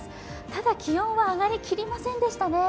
ただ、気温は上がりきりませんでしたね。